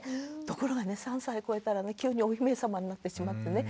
ところがね３歳こえたら急にお姫様になってしまってね